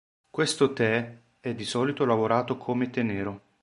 Questo tè è di solito lavorato come tè nero.